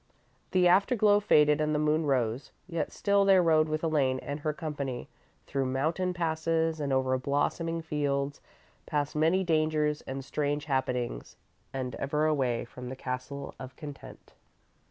The afterglow faded and the moon rose, yet still they rode with Elaine and her company, through mountain passes and over blossoming fields, past many dangers and strange happenings, and ever away from the Castle of Content.